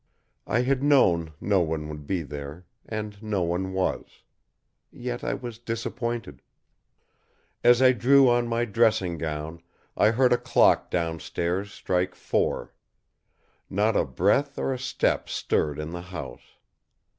I had known no one would be there, and no one was. Yet I was disappointed. As I drew on my dressing gown I heard a clock downstairs strike four. Not a breath or a step stirred in the house.